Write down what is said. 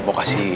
ya allah selalu